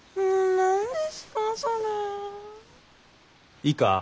いいか？